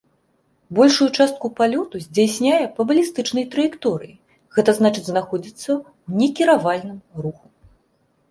Большую частку палёту здзяйсняе па балістычнай траекторыі, гэта значыць знаходзіцца ў некіравальным руху.